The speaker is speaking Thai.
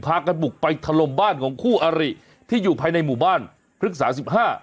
พากันบุกไปถล่มบ้านของคู่อริที่อยู่ภายในหมู่บ้านพฤกษาสิบห้า